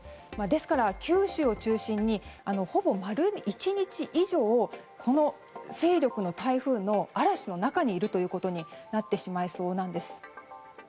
ですから、九州を中心にほぼ丸１日以上この勢力の台風の嵐の中にいるということになってしまいそうなんです。